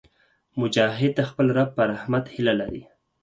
مجاهد د خپل رب په رحمت هیله لري.